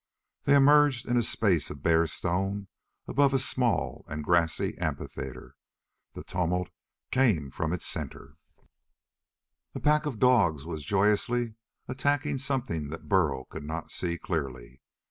They emerged in a space of bare stone above a small and grassy amphitheatre. The tumult came from its center. A pack of dogs was joyously attacking something that Burl could not see clearly.